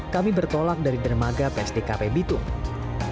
kami bertolak dari dermaga psdkp bitung